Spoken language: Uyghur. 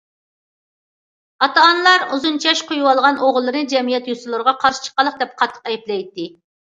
ئاتا- ئانىلار ئۇزۇن چاچ قويۇۋالغان ئوغۇللىرىنى جەمئىيەت يوسۇنلىرىغا قارشى چىققانلىق دەپ قاتتىق ئەيىبلەيتتى.